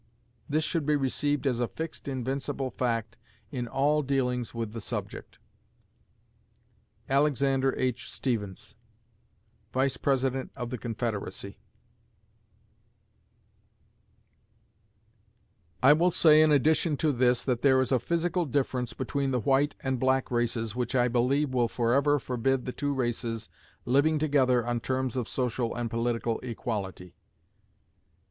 This should be received as a fixed invincible fact in all dealings with the subject. ALEXANDER H. STEPHENS (Vice President of the Confederacy) I will say in addition to this that there is a physical difference between the white and black races which I believe will forever forbid the two races living together on terms of social and political equality.